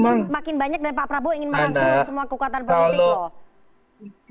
makin banyak dan pak prabowo ingin merangkul semua kekuatan politik loh